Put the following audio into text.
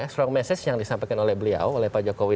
strong message yang disampaikan oleh beliau oleh pak jokowi